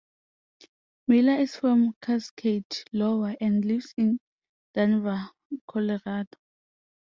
Miller is from Cascade, Iowa, and lives in Denver, Colorado.